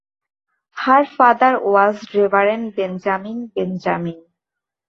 Her father was Reverend Benjamin Benjamin.